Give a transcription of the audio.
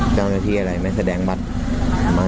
อ๋อเจ้าสีสุข่าวของสิ้นพอได้ด้วย